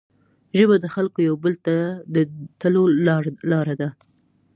ژبه د خلګو یو بل ته د تلو لاره ده